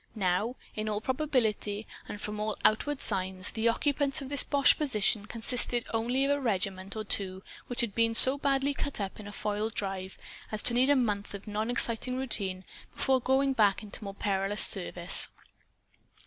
Now, in all probability, and from all outward signs, the occupants of this boche position consisted only of a regiment or two which had been so badly cut up, in a foiled drive, as to need a month of non exciting routine before going back into more perilous service.